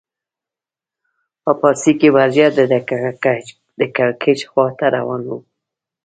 په پاریس کې وضعیت د کړکېچ خوا ته روان و.